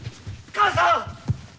母さん。